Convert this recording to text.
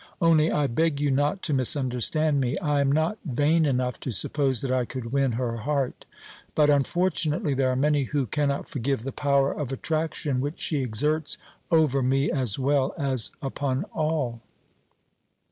Only I beg you not to misunderstand me. I am not vain enough to suppose that I could win her heart, but unfortunately there are many who cannot forgive the power of attraction which she exerts over me as well as upon all.